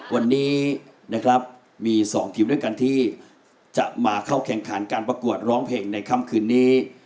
วันนี้นะครับมี๒ทีมด้วยกันที่จะมาเข้าแข่งขันการประกวดร้องเพลงในค่ำคืนนี้